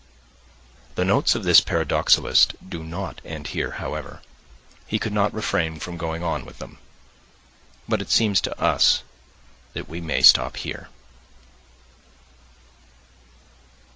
[The notes of this paradoxalist do not end here, however. He could not refrain from going on with them, but it seems to us that we may stop here.